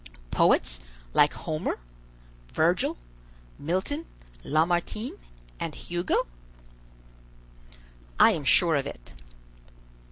"Poets like Homer, Virgil, Milton, Lamartine, and Hugo?" "I am sure of it."